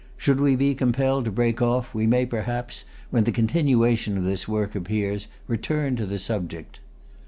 Should we be compelled to break off, we may perhaps, when the continuation of this work appears, return to the subject.